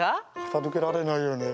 片づけられないよね。